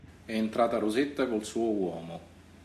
È entrata Rosetta col suo uomo.